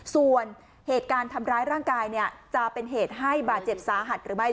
ส่วนเหตุการณ์ทำร้ายร่างกายจะเป็นเหตุให้บาดเจ็บสาหัสหรือไม่